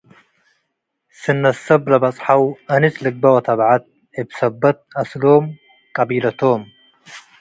ስነት ሰብ ለበጽሐው አንስ ልግበእ ወተብዐት እብ ሰበት አስሎም፡ ቀቢለቶም፡